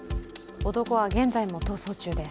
男は現在も逃走中です。